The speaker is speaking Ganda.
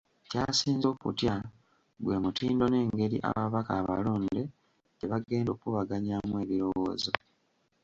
Ky’asinze okutya gwe mutindo n’engeri ababaka abalonde gye bagenda okubaganyaamu ebirowoozo.